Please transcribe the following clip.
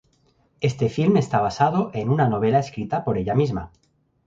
Este film está basado en una novela escrita por ella misma.